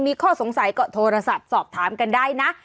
มีข้อสงสัยก็โทรศัพท์สอบถามกันได้นะ